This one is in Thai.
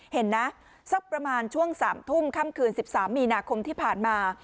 เห็นนะสักประมาณช่วง๓ทุ่มค่ำคืน๑๓มีนาคมที่ผ่านมา